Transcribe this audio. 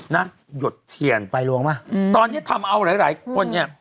นะหยดเทียนตอนนี้ทำเอาหลายคนเนี่ย